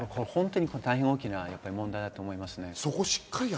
大変大きな問題だと思います。